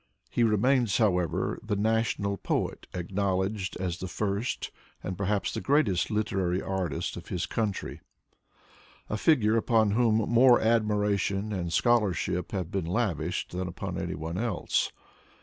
He remains, however, the national poet acknowledged as the first and perhaps the greatest literary artist of his coun try, a figure upon whom more admiration and scholarship have been lavished than upon any one else.